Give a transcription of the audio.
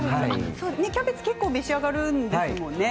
キャベツ結構召し上がるんですもんね。